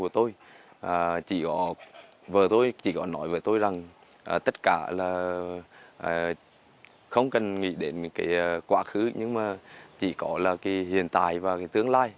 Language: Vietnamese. tất cả không cần nghĩ đến quá khứ chỉ có hiện tại và tương lai